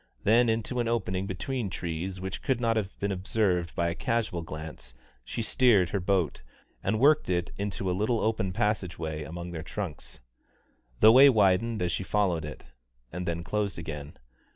Then into an opening between the trees which could not have been observed by a casual glance she steered her boat, and worked it on into a little open passage way among their trunks. The way widened as she followed it, and then closed again.